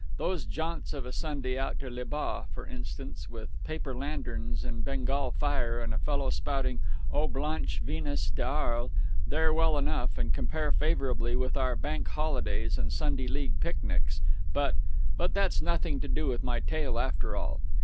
Those jaunts of a Sunday out to Les Baux, for instance, with paper lanterns and Bengal fire and a fellow spouting O blanche Venus d'Arles they're well enough, and compare favourably with our Bank Holidays and Sunday League picnics, but ... but that's nothing to do with my tale after all....